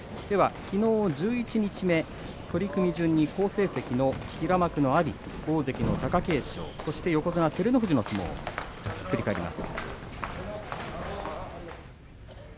きのう十一日目、取組順に好成績の平幕の阿炎、大関の貴景勝、横綱照ノ富士の相撲を振り返ります。